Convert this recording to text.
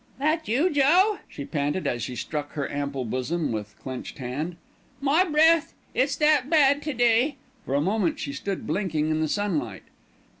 "That you, Joe?" she panted as she struck her ample bosom with clenched hand. "My breath! it's that bad to day." For a moment she stood blinking in the sunlight.